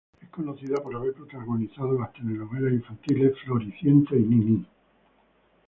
Es conocida por haber protagonizado las telenovelas infantiles "Floricienta" y "Niní".